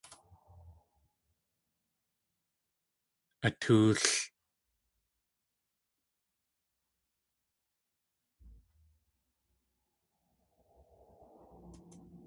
Atóol.